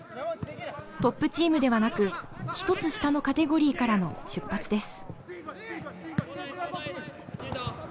トップチームではなく１つ下のカテゴリーからの出発です。